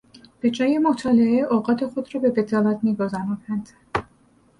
به جای مطالعه اوقات خود را به بطالت میگذراند.